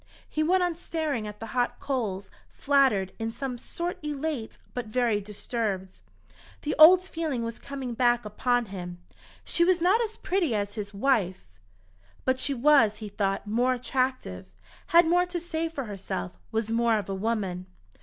He went on staring at the hot coals, flattered, in some sort elate, but very disturbed. The old feeling was coming back upon him. She was not as pretty as his wife, but she was, he thought, more attractive, had more to say for herself, was more of a woman.